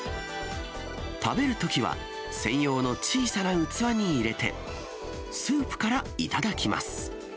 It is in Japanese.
食べるときは、専用の小さな器に入れて、スープから頂きます。